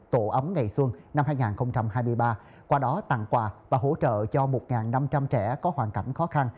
tổ ấm ngày xuân năm hai nghìn hai mươi ba qua đó tặng quà và hỗ trợ cho một năm trăm linh trẻ có hoàn cảnh khó khăn